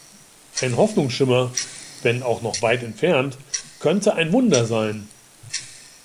Ein Hoffnungsschimmer – wenn auch noch weit entfernt – könnte ein Wunder sein.